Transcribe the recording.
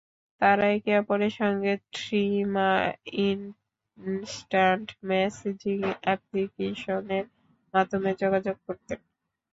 তাঁরা একে অপরের সঙ্গে থ্রিমা ইনস্ট্যান্ট মেসেজিং অ্যাপলিকেশনের মাধ্যমে যোগাযোগ করতেন।